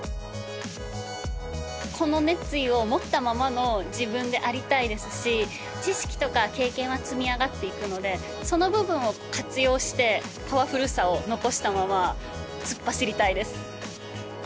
この熱意を持ったままの自分でありたいですし知識とか経験は積み上がっていくのでその部分を活用してパワフルさを残したまま突っ走りたいです